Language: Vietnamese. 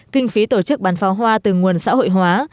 kinh phí tổ chức bán pháo hoa từ nguồn xã hội hóa